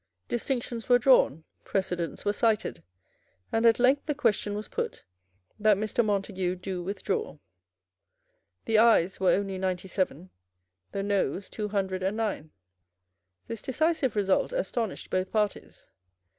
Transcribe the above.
Distinctions were drawn; precedents were cited; and at length the question was put, that Mr. Montague do withdraw. The Ayes were only ninety seven; the Noes two hundred and nine. This decisive result astonished both parties.